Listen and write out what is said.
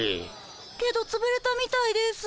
けどつぶれたみたいです。